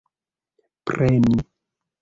preni